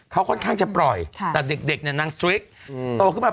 เขาค่อนข้างจะเปิด